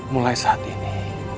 mulai saat ini